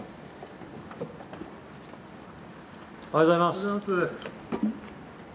おはようございます。